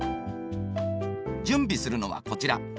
準備するのはこちら。